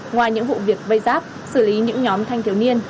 ngoài những vụ việc vây giáp xử lý những nhóm thanh thiếu niên